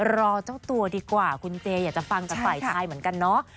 รอเจ้าตัวดีกว่าคุณเจอยากจะฟังจากฝ่ายชายเหมือนกันเนาะ